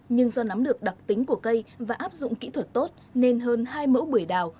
nhưng do nắm được đặc tính của cây và áp dụng kỹ thuật tốt nên hơn hai mẫu bưởi đào